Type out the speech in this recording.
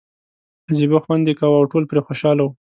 عجیبه خوند یې کاوه او ټول پرې خوشاله وو.